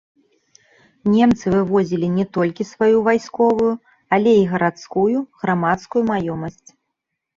Немцы вывозілі не толькі сваю вайсковую, але і гарадскую, грамадскую маёмасць.